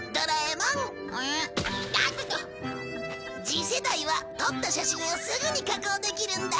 次世代は撮った写真をすぐに加工できるんだ。